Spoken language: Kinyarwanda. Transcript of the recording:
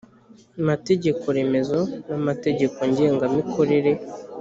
mategeko remezo n amategeko ngengamikorere